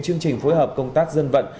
chương trình phối hợp công tác dân vận